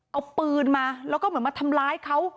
เอาปืนมาแล้วก็เหมือนมาทำร้ายเขา